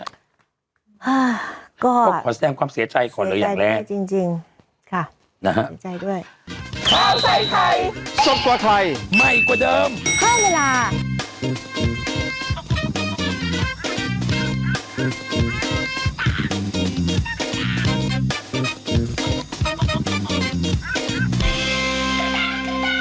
ก็อ่ะเสียใจด้วยจริงขอแสดงความเสียใจของเราอย่างแรกค่ะเสียใจด้วย